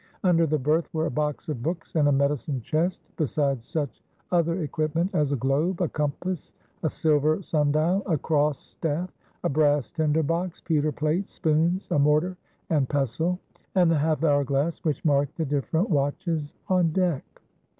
Under the berth were a box of books and a medicine chest, besides such other equipment as a globe, a compass, a silver sun dial, a cross staff, a brass tinder box, pewter plates, spoons, a mortar and pestle, and the half hour glass which marked the different watches on deck.